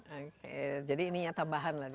oke jadi ini ya tambahan lah